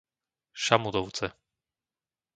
Šamudovce